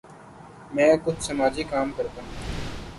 میں کچھ سماجی کام کرتا ہوں۔